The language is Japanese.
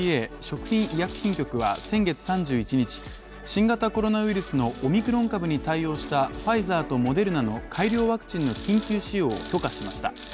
新型コロナウイルスのオミクロン株に対応したファイザーとモデルナの改良ワクチンの緊急使用を許可しました。